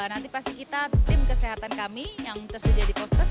nanti pasti kita tim kesehatan kami yang tersedia di poskes